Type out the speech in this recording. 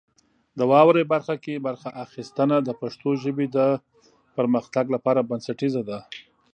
د واورئ برخه کې برخه اخیستنه د پښتو ژبې د پرمختګ لپاره بنسټیزه ده.